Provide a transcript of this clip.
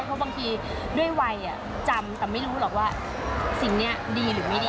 เพราะบางทีด้วยวัยจำแต่ไม่รู้หรอกว่าสิ่งนี้ดีหรือไม่ดี